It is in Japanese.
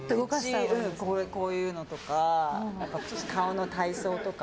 こういうのとか口、顔の体操とか。